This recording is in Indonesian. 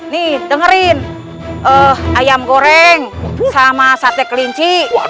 nih dengerin ayam goreng sama sate kelinci